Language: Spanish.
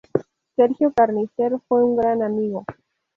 Sergio Carnicer fue un gran amigo.